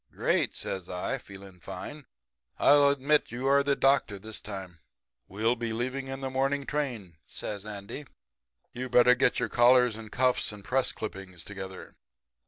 "'Great!' says I, feeling fine. 'I'll admit you are the doctor this time.' "'We'll be leaving on the morning train,' says Andy. 'You'd better get your collars and cuffs and press clippings together.'